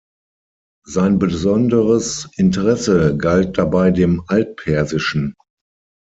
Sein besonderes Interesse galt dabei dem Altpersischen.